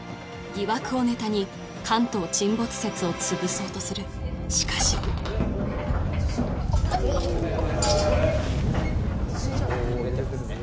疑惑をネタに関東沈没説をつぶそうとするしかし地震じゃない？